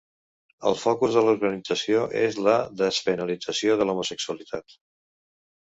El focus de l'organització és la despenalització de l'homosexualitat.